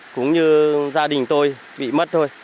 cũng như gia đình tôi bị mất thôi